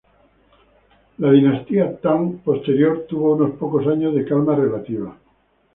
La dinastía Tang posterior tuvo unos pocos años de calma relativa.